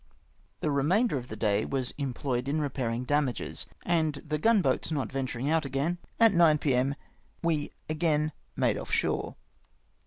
The remamder of the day was employed in repauing damages, and the gun boats not venturing out again, at 9 p.m. we again made off shore.